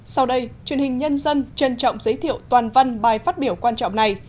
sau đây truyền hình nhân dân trân trọng giới thiệu toàn văn bài phát biểu quan trọng này